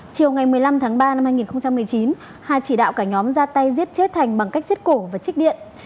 chiều ngày một mươi năm tháng ba năm hai nghìn một mươi chín hà chỉ đạo cả nhóm ra tay giết chết thành bằng cách xiết cổ và trích điện